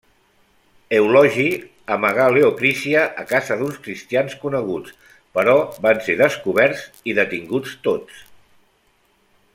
Eulogi amagà Leocrícia a casa d'uns cristians coneguts, però van ser descoberts i detinguts tots.